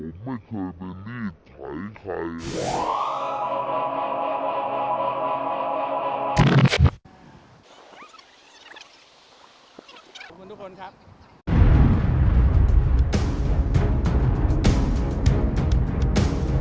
ผมไม่เคยไปรีดไถ่ใคร